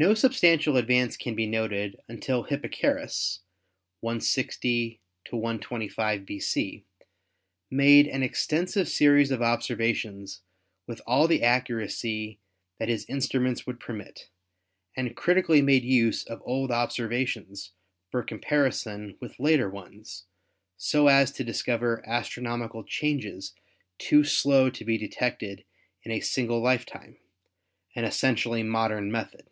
No substantial advance can be noted until Hipparchus (160 125 B.C.) made an extensive series of observations with all the accuracy that his instruments would permit and critically made use of old observations for comparison with later ones so as to discover astronomical changes too slow to be detected in a single lifetime — an essentially modern method.